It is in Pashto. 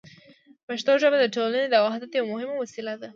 پښتو ژبه د ټولنې د وحدت یوه مهمه وسیله ده.